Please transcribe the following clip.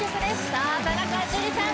さあ田中樹さん